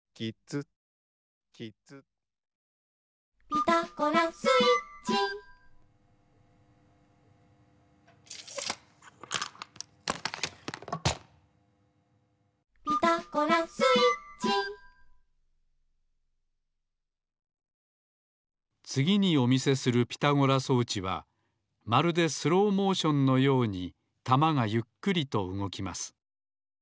「ピタゴラスイッチ」「ピタゴラスイッチ」つぎにお見せするピタゴラ装置はまるでスローモーションのようにたまがゆっくりとうごきます。